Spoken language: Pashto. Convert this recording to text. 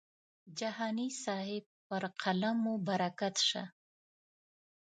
جهاني صاحب پر قلم مو برکت شه.